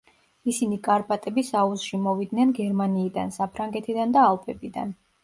ისინი კარპატების აუზში მოვიდნენ გერმანიიდან, საფრანგეთიდან და ალპებიდან.